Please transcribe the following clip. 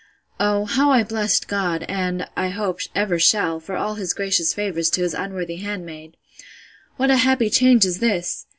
Oh, how I blessed God, and, I hope, ever shall, for all his gracious favours to his unworthy handmaid! What a happy change is this!